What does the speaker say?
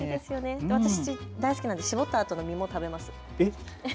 私、大好きなんで搾ったあとの実も食べます。